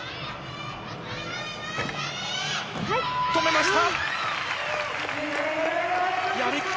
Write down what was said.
止めました。